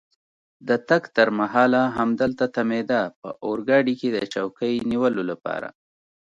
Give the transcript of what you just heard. د تګ تر مهاله همدلته تمېده، په اورګاډي کې د چوکۍ نیولو لپاره.